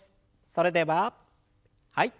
それでははい。